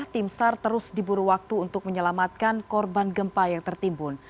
tim sar terus diburu waktu untuk menyelamatkan korban gempa yang tertimbun